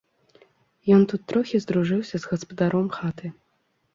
Ён тут трохі здружыўся з гаспадаром хаты.